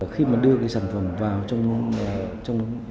khi mà đưa cái sản phẩm vào trong nhóm nghiên cứu